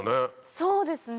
そうですね。